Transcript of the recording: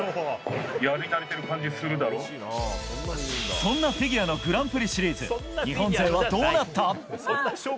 そんなフィギュアのグランプリシリーズ日本勢はどうなった？